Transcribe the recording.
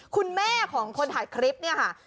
คุณแม่ของคนถ่ายคลิปเนี่ยค่ะ